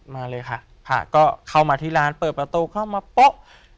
มาเลยค่ะผ่าก็เข้ามาที่ร้านเปิดประตูเข้ามาโป๊ะ